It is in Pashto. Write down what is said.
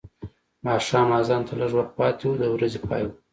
ماښام اذان ته لږ وخت پاتې و د ورځې پای و.